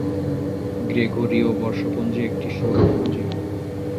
গ্রেগরীয় বর্ষপঞ্জী একটি সৌর পঞ্জিকা।